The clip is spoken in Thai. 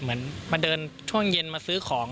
เหมือนมาเดินช่วงเย็นมาซื้อของ